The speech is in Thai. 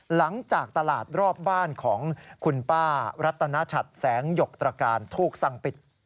หลังจากตลาดรอบบ้านของคุณป้ารัตนชัดแสงหยกตรการถูกสั่งปิด